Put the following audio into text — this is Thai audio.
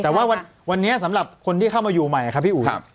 แต่ว่าวันนี้สำหรับคนที่เข้ามาอยู่ใหม่ครับพี่อุ๋ย